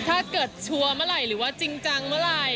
ชัวร์เมื่อไหร่หรือว่าจริงจังเมื่อไหร่